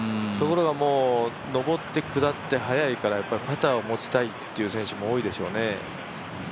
ところが上って下って速いから、パターを持ちたいという選手も多いでしょうね。